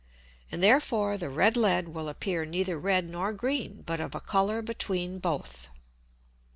And therefore the red Lead will appear neither red nor green, but of a Colour between both.